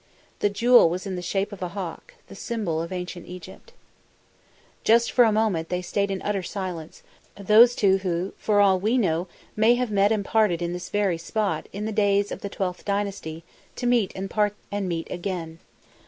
The jewel was in the shape of a hawk, the symbol of Ancient Egypt. Just for a moment they stayed in utter silence, those two who for all we know may have met and parted in this very spot in the days of the XII dynasty, to meet and part and meet again.